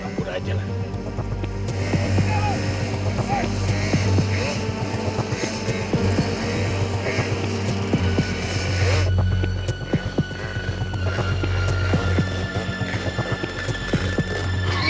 lampu aja lah